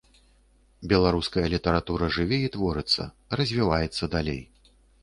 Беларуская літаратура жыве і творыцца, развіваецца далей.